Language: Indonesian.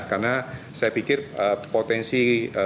karena saya pikir potensi